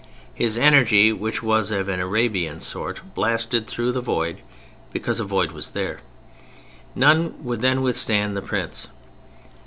His energy, which was "of an Arabian sort," blasted through the void, because a void was there: none would then withstand the Prince.